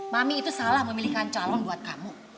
mami itu salah memilihkan calon buat kamu